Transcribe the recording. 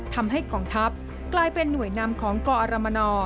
ทำให้กองทัพกลายเป็นหน่วยนำของกอรมน